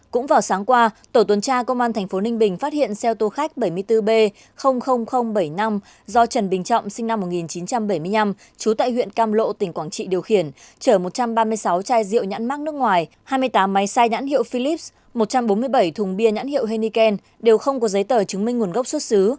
cũng vào sáng qua tổ tuần tra công an tp ninh bình phát hiện xe ô tô khách bảy mươi bốn b bảy mươi năm do trần bình trọng sinh năm một nghìn chín trăm bảy mươi năm trú tại huyện cam lộ tỉnh quảng trị điều khiển chở một trăm ba mươi sáu chai rượu nhãn mắc nước ngoài hai mươi tám máy sai nhãn hiệu filip một trăm bốn mươi bảy thùng bia nhãn hiệu henneken đều không có giấy tờ chứng minh nguồn gốc xuất xứ